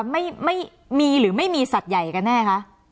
ไม่มีหรือไม่มีสัตว์ใหญ่กันแน่คะ